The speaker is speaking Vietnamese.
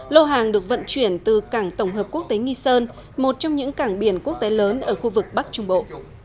lô hàng được vận chuyển từ cảng tổng hợp quốc tế nghi sơn một trong những cảng biển quốc tế lớn ở khu vực bắc trung bộ